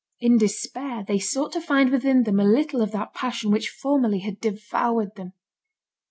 In despair, they sought to find within them a little of that passion which formerly had devoured them.